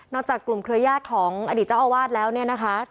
จากกลุ่มเครือญาติของอดีตเจ้าอาวาสแล้วเนี่ยนะคะ